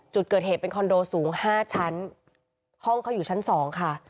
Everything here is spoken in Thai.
จุดเกิดเหตุเป็นคอนโดสูง๕ชั้นห้องเขาอยู่ชั้นสองค่ะ